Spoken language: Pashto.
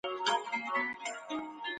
تاسو په محفل کي د سولي پيغام ورکړی دی.